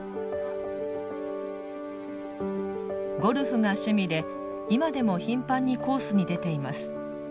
ゴルフが趣味で今でも頻繁にコースに出ています。